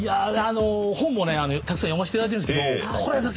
本もねたくさん読ませていただいてるんですけど。